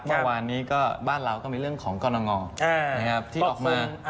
เมื่อวานนี้ก็บ้านเราก็มีเรื่องของกรณงที่ออกมา